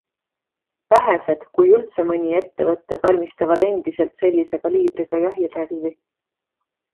Vähesed, kui üldse mõni, ettevõtted valmistavad endiselt sellise kaliibriga jahirelvi.